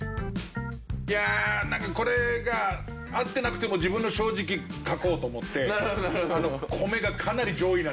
いやなんかこれが合ってなくても自分の正直書こうと思って。